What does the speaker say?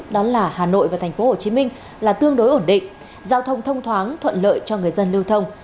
đó là hà nội và tp hcm là tương đối ổn định giao thông thông thoáng thuận lợi cho người dân lưu thông